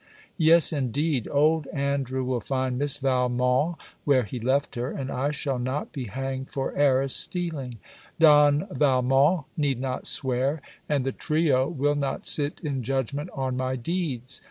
Yes, indeed: old Andrew will find Miss Valmont where he left her; and I shall not be hanged for heiress stealing. Don Valmont need not swear; and the trio will not sit in judgment on my deeds.